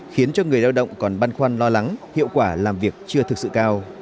khiến cho người lao động còn băn khoăn lo lắng hiệu quả làm việc chưa thực sự cao